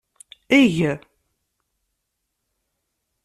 Eg.